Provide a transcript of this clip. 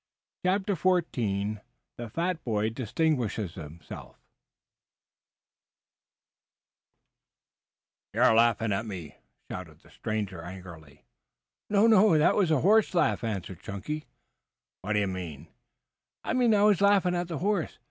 CHAPTER XIV THE FAT BOY DISTINGUISHES HIMSELF "You laughing at me?" shouted the stranger angrily. "No, that was a horse laugh," answered Chunky. "What d'ye mean?" "I mean I was laughing at the horse.